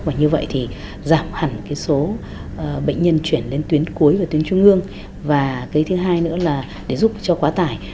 và như vậy thì giảm hẳn số bệnh nhân chuyển lên tuyến cuối và tuyến trung ương và thứ hai nữa là giúp cho quá tải